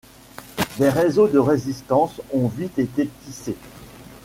Des réseaux de résistance ont vite été tissés.